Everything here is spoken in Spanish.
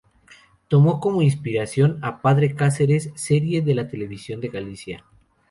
Tomó como inspiración a Padre Casares, serie de la Televisión de Galicia.